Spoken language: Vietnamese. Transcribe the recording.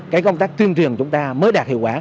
cái công tác tuyên truyền chúng ta mới đạt hiệu quả